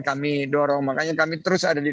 kami dorong makanya kami terus ada di